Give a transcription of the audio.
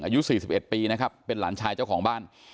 อายุ๔๑ปีนะครับเป็นหลานชายเจ้าของบ้าน